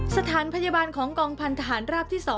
สถานพยาบาลของกองพันธหารราบที่๒